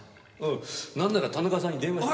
なんなら田中さんに電話して。